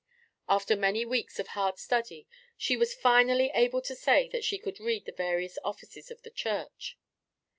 After many weeks of hard study she was finally able to say that she could read the various Offices of the Church.